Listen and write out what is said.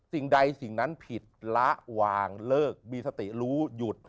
สิ่งใดสิ่งนั้นผิดละวางเลิกมีสติรู้หยุด